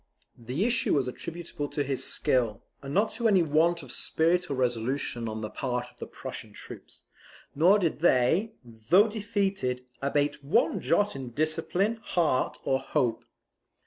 The issue was attributable to his skill, and not to any want of spirit or resolution on the part of the Prussian troops; nor did they, though defeated, abate one jot in discipline, heart, or hope.